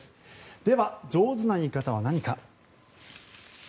では上手な言い方は何か。